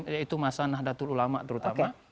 yaitu masa nahdlatul ulama terutama